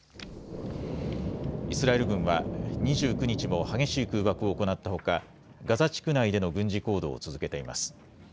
イスラエル軍は２９日も激しい空爆を行ったほか、ガザ地区内での軍事行動を続けています。